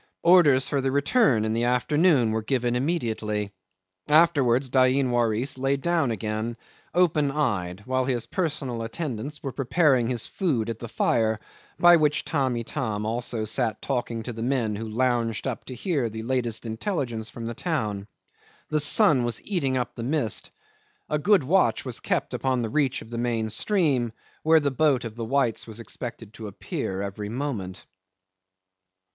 Orders for the return in the afternoon were given immediately. Afterwards Dain Waris lay down again, open eyed, while his personal attendants were preparing his food at the fire, by which Tamb' Itam also sat talking to the men who lounged up to hear the latest intelligence from the town. The sun was eating up the mist. A good watch was kept upon the reach of the main stream where the boat of the whites was expected to appear every moment.